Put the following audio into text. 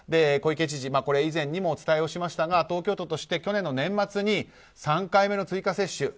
小池知事以前にもお伝えをしましたが東京都として去年の年末に３回目の追加接種。